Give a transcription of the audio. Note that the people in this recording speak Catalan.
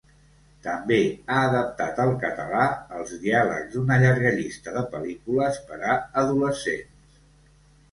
També ha adaptat al català els diàlegs d'una llarga llista de pel·lícules per a adolescents.